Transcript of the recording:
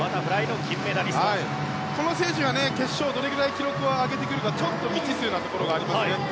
この選手が決勝、どれくらい記録を上げてくるか未知数なところがありますね。